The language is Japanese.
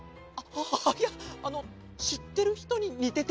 いやあのしってるひとににてて。